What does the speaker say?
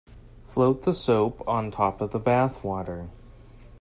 Float the soap on top of the bath water.